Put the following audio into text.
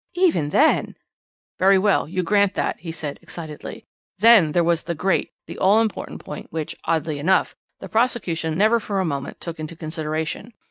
"Even then " "Very well, you grant that," he said excitedly. "Then there was the great, the all important point which, oddly enough, the prosecution never for a moment took into consideration.